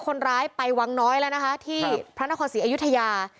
คนร้ายไปวังน้อยแล้วนะคะที่พระนครศรีอยุธยา